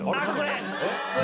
これ！